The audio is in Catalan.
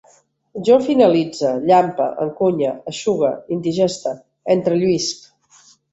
Jo finalitze, llampe, encunye, eixugue, indigeste, entrelluïsc